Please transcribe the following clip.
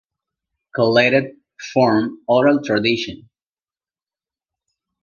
Collected From Oral Tradition.